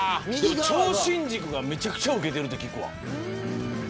超新塾がめちゃくちゃウケてるって聞くわ。